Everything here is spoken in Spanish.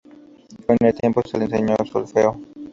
Con el tiempo, se le enseñó solfeo.